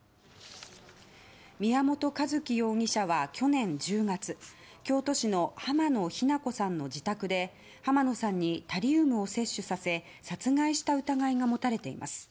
宮本一希容疑者は去年１０月京都市の浜野日菜子さんの自宅で浜野さんにタリウムを摂取させ殺害した疑いが持たれています。